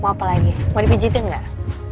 mau apa lagi mau dipijitin nggak